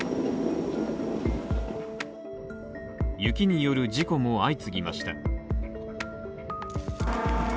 雪による事故も相次ぎました。